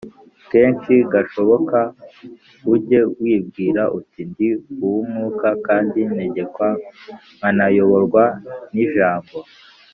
Keshi gashoboka ujye wibwira uti ndi uwumwuka kandi ntegekwa nkanayoborwa nijambo